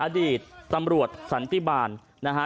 อดีตตำรวจสันติบาลนะฮะ